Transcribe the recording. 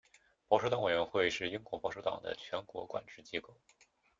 保守党委员会是英国保守党的全国管制机构。